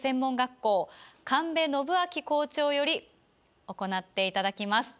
校長より行っていただきます。